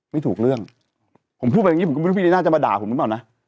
ไม่ถูกเรื่องผมพูดไปอย่างนี้ผมก็ไม่รู้พี่ลีน่าจะมาด่าผมหรือเปล่านะ